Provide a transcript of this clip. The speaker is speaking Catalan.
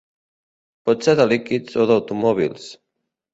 Pot ser de líquids o d'automòbils.